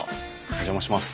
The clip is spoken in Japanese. お邪魔します。